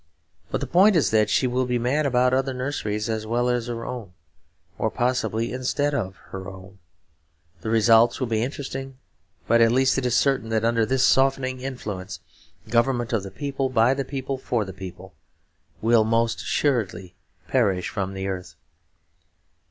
But the point is that she will be mad about other nurseries as well as her own, or possibly instead of her own. The results will be interesting; but at least it is certain that under this softening influence government of the people, by the people, for the people, will most assuredly perish from the earth.